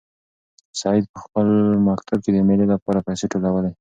سعید په خپل مکتب کې د مېلې لپاره پیسې ټولولې.